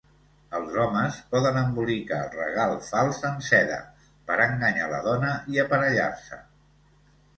Els homes poden embolicar el regal fals en seda per enganyar la dona i aparellar-se.